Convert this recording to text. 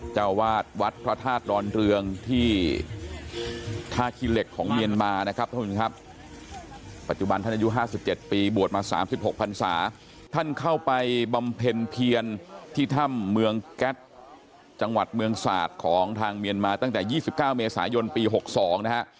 เจ้าวาดวัดพระธาตุดอนเรืองที่ท่าขี้เหล็กของเมียนมานะครับท่านผู้ชมครับปัจจุบันท่านอายุ๕๗ปีบวชมา๓๖พันศาท่านเข้าไปบำเพ็ญเพียรที่ถ้ำเมืองแก๊สจังหวัดเมืองศาสตร์ของทางเมียนมาตั้งแต่๒๙เมษายนปี๖๒นะฮะ